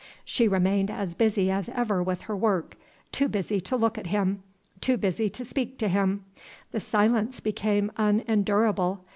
She remained as busy as ever with her work too busy to look at him; too busy to speak to him. The silence became unendurable.